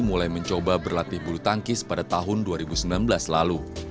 mulai mencoba berlatih bulu tangkis pada tahun dua ribu sembilan belas lalu